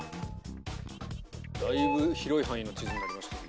だいぶ広い範囲の地図になりました。